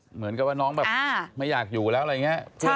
เหมือนกับว่าน้องแบบไม่อยากอยู่แล้วอะไรอย่างนี้